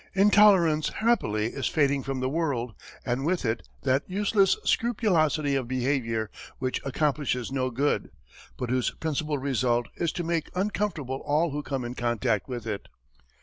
Intolerance, happily, is fading from the world, and with it that useless scrupulosity of behavior, which accomplishes no good, but whose principal result is to make uncomfortable all who come in contact with it.